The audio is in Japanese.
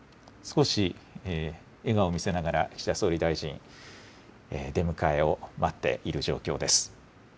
少し笑顔見せながら、岸田総理大臣、出迎えを待っている状況です。